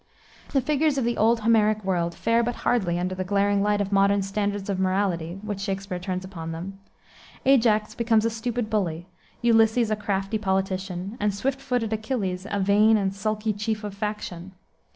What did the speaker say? The figures of the old Homeric world fare but hardly under the glaring light of modern standards of morality which Shakspere turns upon them. Ajax becomes a stupid bully, Ulysses a crafty politician, and swift footed Achilles a vain and sulky chief of faction.